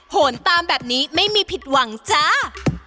โหนตามแบบนี้ไม่มีผิดหวังจ้า